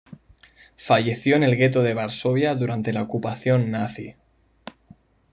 Falleció en el gueto de Varsovia durante la ocupación nazi.